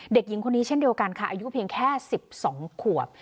เด็กหญิงคนนี้เช่นเดียวกันค่ะอายุเพียงแค่๑๒ขวบ